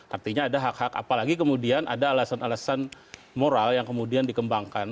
artinya ada hak hak apalagi kemudian ada alasan alasan moral yang kemudian dikembangkan